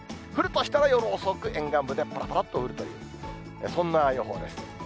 降るとしたら、夜遅く、沿岸部で、ぱらぱらっと降るという、そんな予報です。